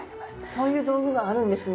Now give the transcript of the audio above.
そういう道具があるんですね。